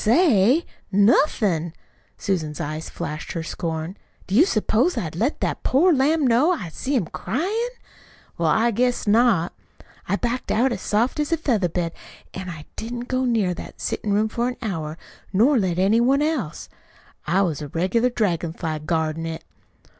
"Say? Nothin'!" Susan's eyes flashed her scorn. "Do you s'pose I'd let that poor lamb know I see him cryin'? Well, I guess not! I backed out as soft as a feather bed, an' I didn't go near that settin' room for an hour, nor let any one else. I was a regular dragon fly guardin' it.